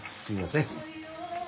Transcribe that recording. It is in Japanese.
すいません。